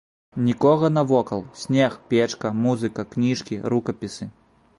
Нікога навокал, снег, печка, музыка, кніжкі, рукапісы.